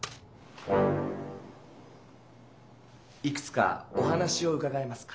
いくつかお話をうかがえますか？